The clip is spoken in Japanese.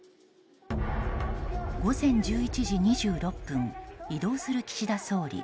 午前１１時２６分移動する岸田総理。